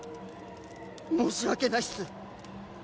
申し訳ないっす。